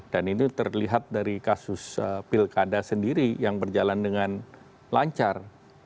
dan ini terlihat dari kasus pilkada sendiri yang berjalan dengan lancar